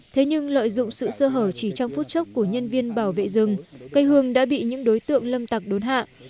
thế nhưng lợi dụng sự sơ hở chỉ trong phút chốc của nhân viên bảo vệ rừng cây hương đã bị những đối tượng lâm tặc đốn hạ